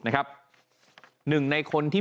นะครับหนึ่งในคนที่